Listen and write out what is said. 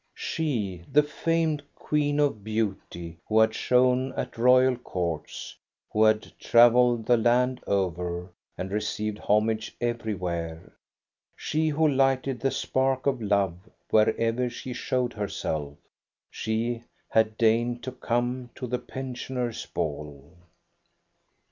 She, the famed queen of beauty, who had shone 86 THE STORY OF GOSTA BE RUNG at royal courts, who had travelled the land over and received homage everywhere, she who lighted the spark of love wherever she showed herself, — she had deigned to come to the pensioners' ball.